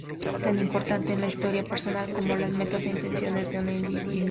Tan importante es la historia personal como las metas e intenciones de un individuo.